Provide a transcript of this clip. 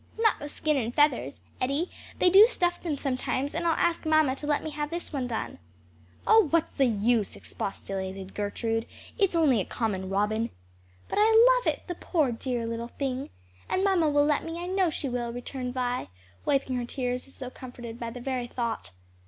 "Not the skin and feathers, Eddie; they do stuff them sometimes and I'll ask mamma to let me have this one done." "Oh what's the use?" expostulated Gertrude; "it's only a common robin." "But I love it; the poor dear little thing! and mamma will let me, I know she will," returned Vi, wiping away her tears as though comforted by the very thought.